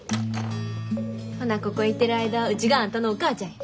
ほなここいてる間はうちがあんたのお母ちゃんや。